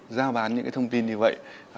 giao bán những thông tin như vậy